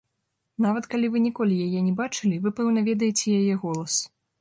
Нават калі вы ніколі яе не бачылі, вы пэўна ведаеце яе голас.